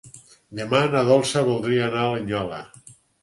Demà na Dolça voldria anar a Linyola.